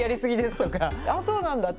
「ああそうなんだ。